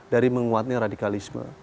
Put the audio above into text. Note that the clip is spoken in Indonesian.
dari menguatnya radikalisme